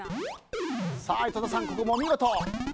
井戸田さん、ここもお見事。